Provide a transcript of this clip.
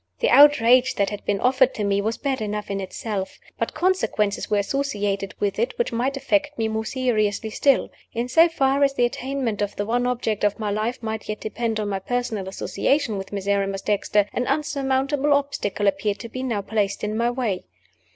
The outrage that had been offered to me was bad enough in itself. But consequences were associated with it which might affect me more seriously still. In so far as the attainment of the one object of my life might yet depend on my personal association with Miserrimus Dexter, an insurmountable obstacle appeared to be now placed in my way.